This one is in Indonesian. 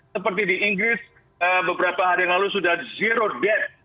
seperti di inggris beberapa hari yang lalu sudah zero death